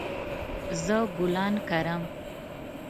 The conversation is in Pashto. زه ګلان کرم